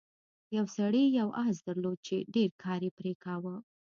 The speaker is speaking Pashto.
یو سړي یو اس درلود چې ډیر کار یې پرې کاوه.